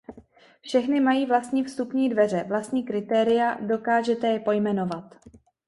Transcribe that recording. Všechny mají vlastní vstupní dveře, vlastní kritéria, dokážete je pojmenovat.